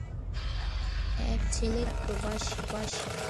এক ছেলে কানাডা প্রবাসী।